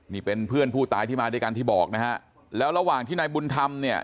นี่เป็นเพื่อนผู้ตายที่มาด้วยกันที่บอกนะฮะแล้วระหว่างที่นายบุญธรรมเนี่ย